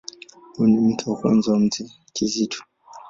Huyu ni mke wa kwanza wa Mzee Kizito.